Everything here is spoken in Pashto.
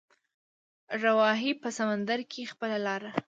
راوهي په سمندر کې خپله لاره